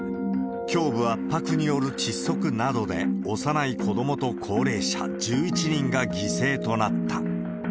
胸部圧迫による窒息などで、幼い子どもと高齢者１１人が犠牲となった。